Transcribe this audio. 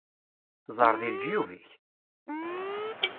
Ẓer deg leǧyub-ik!